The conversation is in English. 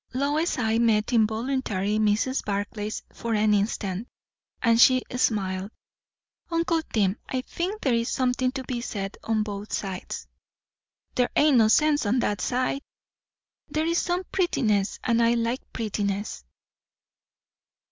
Lois's eye met involuntarily Mrs. Barclay's for an instant, and she smiled. "Uncle Tim, I think there is something to be said on both sides." "There ain't no sense on that side." "There is some prettiness; and I like prettiness."